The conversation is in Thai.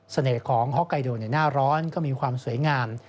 ของฮอกไกโดในหน้าร้อนก็มีความสวยงาม